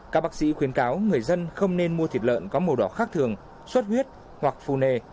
các bác sĩ khuyến cáo người dân không nên mua thịt lợn có màu đỏ khác thường suất huyết hoặc phù nề